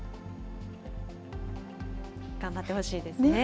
頑張ってほしいですね。